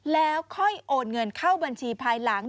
แล้วค่อยโอนเงินเข้าบัญชีภายหลัง